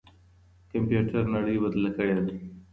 کمپيوټر نړۍ بدله کړې ده.